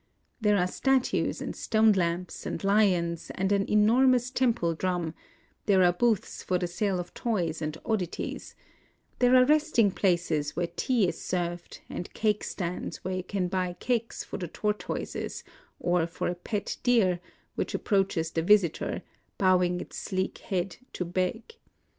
There are statues and stone lamps and lions and an enormous temple drum ;— there are booths for the sale of toys and oddities ;— there are resting places where tea is served, and cake stands where you can buy cakes for the tor toises or for a pet deer, which approaches the visitor, bowing its sleek head to beg.